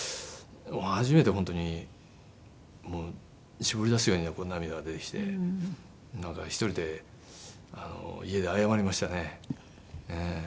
初めて本当に絞り出すように涙が出てきてなんか１人で家で謝りましたね。